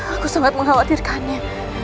aku sangat mengkhawatirkannya